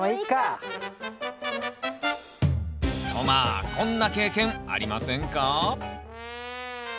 まあこんな経験ありませんか？